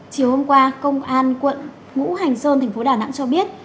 chiều hôm qua công an quận ngũ hành sơn thành phố đà nẵng cho biết